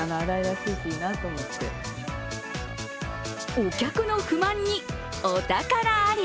お客の不満に、お宝あり！